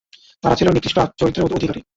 তারা ছিল নিকৃষ্ট চরিত্রের অধিকারী।